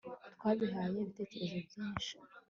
Twabihaye ibitekerezo byinshi